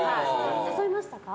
誘いましたか？